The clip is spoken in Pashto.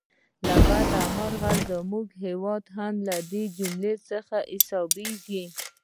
له بده مرغه زموږ هیواد هم له دې جملې څخه حسابېږي.